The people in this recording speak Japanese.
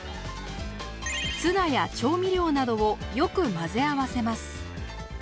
ツナや調味料などをよく混ぜ合わせます。